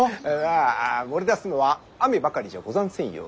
あ漏れ出すのは雨ばかりじゃござんせんようで。